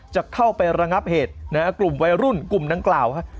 จะเข้าไประงับเหตุนะฮะกลุ่มวัยรุ่นกลุ่มดังกล่าวฮะ